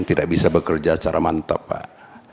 tidak bisa bekerja secara mantap pak